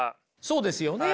そうですよね。